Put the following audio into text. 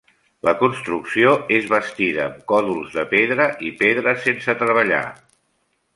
La construcció és bastida amb còdols de pedra i pedres sense treballar.